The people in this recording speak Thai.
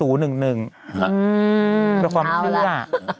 อือเอาล่ะ